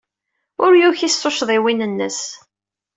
Ur yuki s tuccḍiwin-nnes.